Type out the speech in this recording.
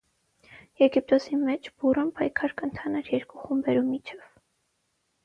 Եգիպոսի մէջ բուռն պայքար կ՛ընթանար երկու խումբերու միջեւ։